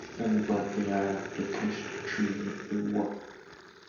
Every Monday I have to catch the train into work